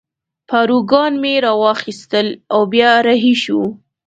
پاروګان مې را واخیستل او بیا رهي شوو.